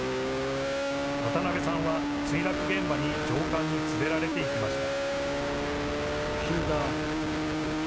渡邉さんは墜落現場に上官に連れられていきました。